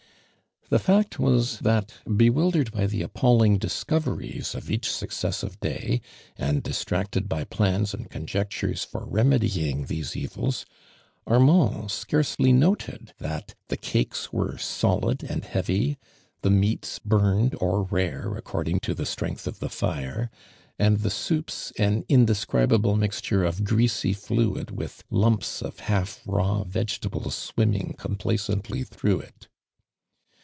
The fact was that, bewildered by tho ap palling discoveries of each successive da/, and distracted by phuis and conjectures for remedying these evils, .\rmand scarcely ARMAXD DURAND. 61 id noted that th»^> cnkeM were Holid and heavy, tlit moiUs Itiirnetl or rnre according to tho strength of tlic fire, and tlio soum, nn indescribable mixture of greasy fluid with lumps of liiilf raw vegetables swimming complacently through it.